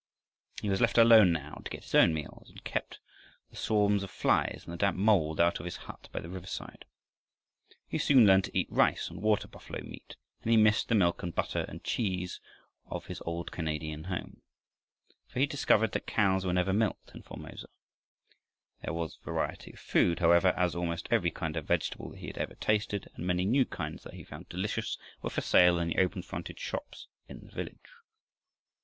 He was left alone now, to get his own meals and keep the swarms of flies and the damp mold out of his hut by the riverside. He soon learned to eat rice and water buffalo meat, but he missed the milk and butter and cheese of his old Canadian home. For he discovered that cows were never milked in Formosa. There was variety of food, however, as almost every kind of vegetable that he had ever tasted and many new kinds that he found delicious were for sale in the open fronted shops in the village.